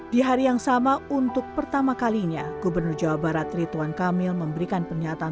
di hari yang sama untuk pertama kalinya gubernur jawa barat rituan kamil memberikan pernyataan